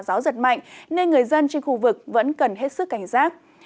gió giật mạnh nên người dân trên khu vực vẫn cần hết sức cảnh giác